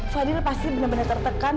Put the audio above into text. fadil pasti benar benar tertekan